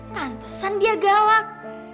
tantusan dia galak